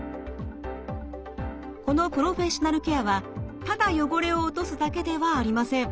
このプロフェッショナルケアはただ汚れを落とすだけではありません。